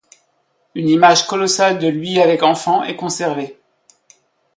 Une image colossale de lui avec enfant est conservée.